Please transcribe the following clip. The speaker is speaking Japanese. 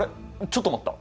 ちょっと待った。